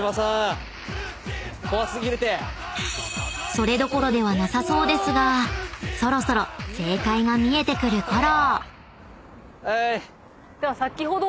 ［それどころではなさそうですがそろそろ正解が見えてくるころ］